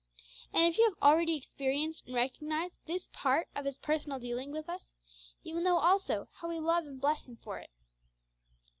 And if you have already experienced and recognised this part of His personal dealing with us, you will know also how we love and bless Him for it.